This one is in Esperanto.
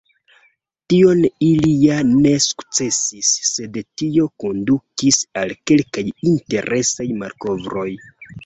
Tion ili ja ne sukcesis, sed tio kondukis al kelkaj interesaj malkovroj.